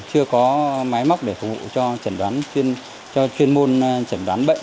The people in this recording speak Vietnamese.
chưa có máy móc để phục vụ cho chuyên môn chẩn đoán bệnh